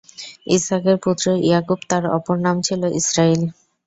ইসহাকের পুত্র ইয়াকূব তাঁর অপর নাম ছিল ইসরাঈল।